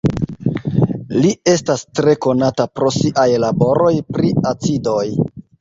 Li estas tre konata pro siaj laboroj pri acidoj.